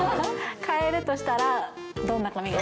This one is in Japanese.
変えるとしたら、どんな髪形？